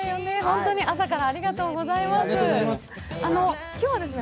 本当に朝からありがとうございます。